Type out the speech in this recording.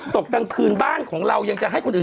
กลางคืนบ้านของเรายังจะให้คนอื่น